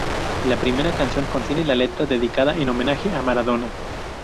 La primera canción contiene la letra dedicada en homenaje a Maradona.